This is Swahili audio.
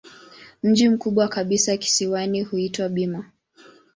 Mji mkubwa kabisa kisiwani huitwa Bima.